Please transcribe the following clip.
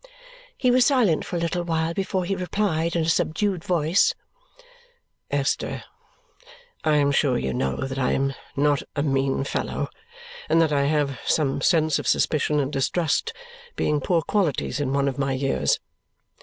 He was silent for a little while before he replied in a subdued voice, "Esther, I am sure you know that I am not a mean fellow and that I have some sense of suspicion and distrust being poor qualities in one of my years."